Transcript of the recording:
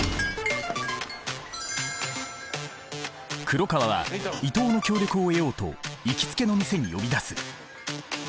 黒川は伊藤の協力を得ようと行きつけの店に呼び出す。